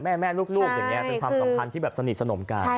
แม่แม่ลูกลูกเป็นความสำคัญที่สนิทสนมกัน